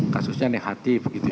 kasusnya negatif gitu ya